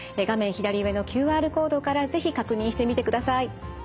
左上のＱＲコードから是非確認してみてください。